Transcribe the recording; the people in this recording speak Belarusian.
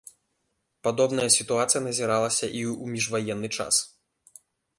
Падобная сітуацыя назіралася і ў міжваенны час.